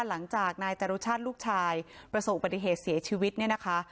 หลังจากนายจรุชาติลูกชายประสบอุบัติเหตุเสียชีวิตเนี่ยนะคะ